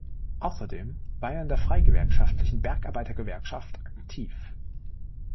Außerdem war er in der freigewerkschaftlichen Bergarbeitergewerkschaft aktiv.